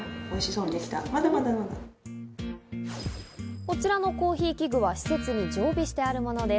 こちらのコーヒー器具は施設に常備してあるものです。